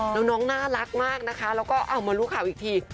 แล้วน้องน่ารักมากนะคะแล้วก็เอามารู้ข่าวอีกที